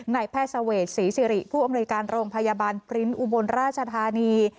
นายแพทย์เสวดศรีสิริผู้อำนวยการโรงพยาบาลปริ้นต์อุบลราชธานี